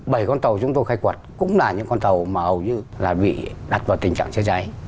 bảy con tàu chúng tôi khai quật cũng là những con tàu mà hầu như là bị đặt vào tình trạng cháy